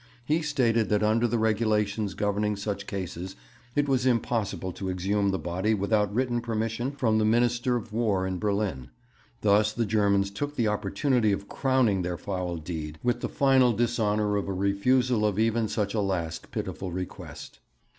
He stated that under the regulations governing such cases it was impossible to exhume the body without written permission from the Minister of War in Berlin. Thus the Germans took the opportunity of crowning their foul deed with the final dishonour of a refusal of even such a last pitiful request.